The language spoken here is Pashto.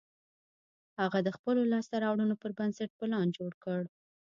هغه د خپلو لاسته رواړنو پر بنسټ پلان جوړ کړ